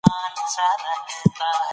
د نعمتونو قدر وکړئ.